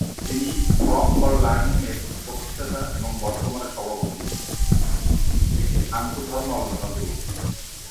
তিনি forum for learning -এর প্রতিষ্ঠাতা এবং বর্তমানে সভাপতি, একটি আন্ত-ধর্ম আলোচনা গ্রুপ।